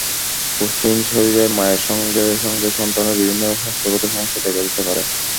পুষ্টিহীন শরীরে মায়ের সঙ্গে সঙ্গে সন্তানের বিভিন্ন স্বাস্থ্যগত সমস্যা দেখা দিতে পারে।